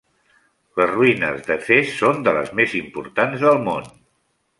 Les ruïnes d'Efes són de les més importants del món.